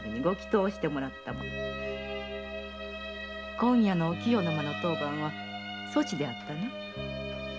今夜の御清の間の当番はそちであったな？